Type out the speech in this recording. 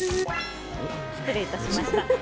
失礼いたしました。